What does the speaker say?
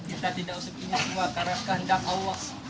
ini semua karena kehendak allah